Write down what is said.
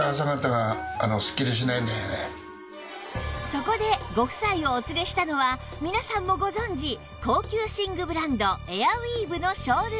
そこでご夫妻をお連れしたのは皆さんもご存じ高級寝具ブランドエアウィーヴのショールーム